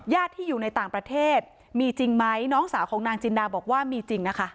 ที่อยู่ในต่างประเทศมีจริงไหมน้องสาวของนางจินดาบอกว่ามีจริงนะคะ